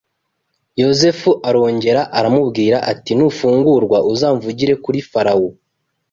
Yozefu arongera aramubwira ati nufungurwa uzamvuganire kuri Farawo